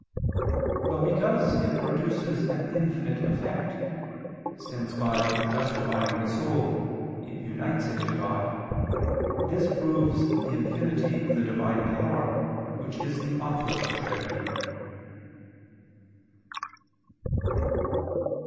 But because it produces an infinite effect, since, by justifying the soul, it unites it to God, this proves the infinity of the Divine power, which is the author of charity.